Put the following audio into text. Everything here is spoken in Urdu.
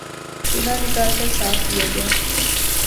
چولہا نکال کر صاف کیا گیا